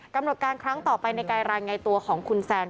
กำหนดการครั้งต่อไปในการรายงานตัวของคุณแซน